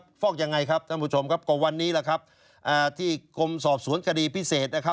บริษัทนิชด์คานี่อยู่ที่ไหน